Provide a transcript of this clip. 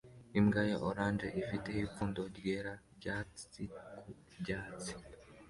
Imbwa ya orange ifite ipfundo ryera ryatsi ku byatsi